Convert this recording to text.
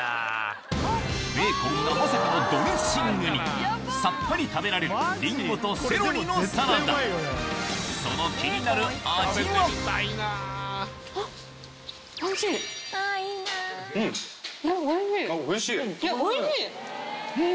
ベーコンがまさかのドレッシングにさっぱり食べられるリンゴとセロリのサラダうん！